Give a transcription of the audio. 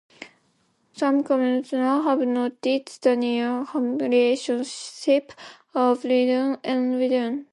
Some commentators have noted the near-homophonic relationship of "ridin'" and "writin'".